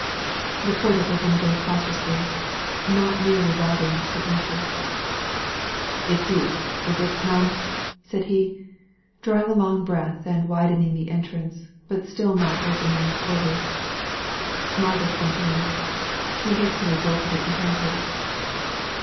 The porter opened the door cautiously, not nearly wide enough to admit her. "It's you, is it, ma'am?" said he, drawing a long breath, and widening the entrance, but still not opening it fully. Margaret went in. He hastily bolted it behind her.